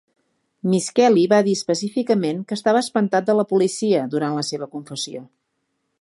MIsskelley va dir específicament que estava "espantat de la policia" durant la seva confessió.